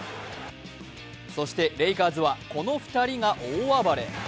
そしてレイカーズはこの２人が大暴れ。